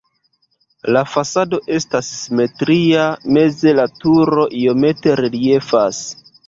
La fasado estas simetria, meze la turo iomete reliefas.